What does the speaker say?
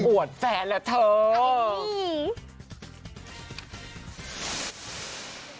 อวดแฟนแหละเธอ